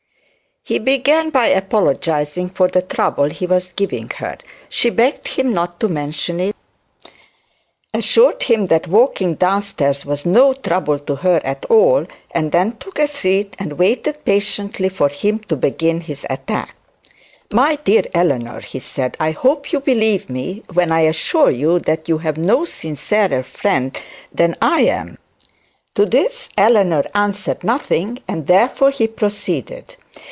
He began by apologising for the trouble he was giving her. She begged him not to mention it, assured him that walking down the stairs was no trouble to her at all, and then took a seat and waited patiently for him to begin his attack. 'My dear Eleanor,' he said, 'I hope you believe me when I assure you that you have no sincerer friend than I am.' To this Eleanor answered nothing, and therefore he proceeded.